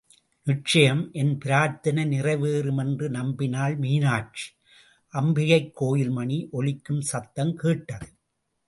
நிச்சயம் என் பிரார்த்தனை நிறைவேறும் என்று நம்பினாள் மீனாட்சி... அம்பிகைக் கோயில் மணி ஒலிக்கும் சத்தம் கேட்டது.